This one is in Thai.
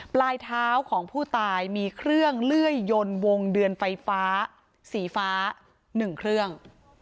ปลายเท้าของผู้ตายมีเครื่องเลื่อยยนต์วงเดือนไฟฟ้าสีฟ้า๑เครื่อง